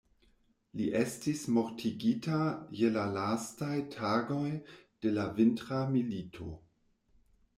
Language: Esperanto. Li estis mortigita je la lastaj tagoj de la Vintra milito.